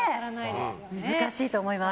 難しいと思います。